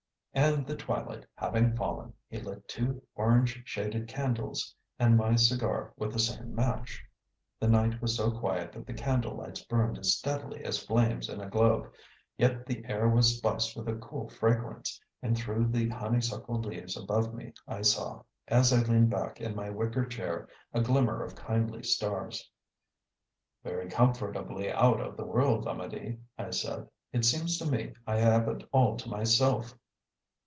and the twilight having fallen, he lit two orange shaded candles and my cigar with the same match. The night was so quiet that the candle lights burned as steadily as flames in a globe, yet the air was spiced with a cool fragrance, and through the honeysuckle leaves above me I saw, as I leaned back in my wicker chair, a glimmer of kindly stars. "Very comfortably out of the world, Amedee," I said. "It seems to me I have it all to myself."